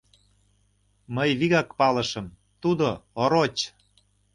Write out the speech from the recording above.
Мый вигак палышым: тудо — ороч.